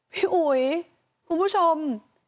พี่อุ๋ยคุณผู้ชม